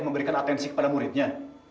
memberikan atensi kepada muridnya